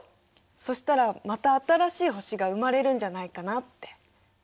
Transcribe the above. そしたらまた新しい星が生まれるんじゃないかなって。